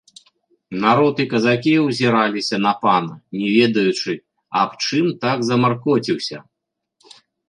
Народ і казакі ўзіраліся на пана, не ведаючы, аб чым так замаркоціўся.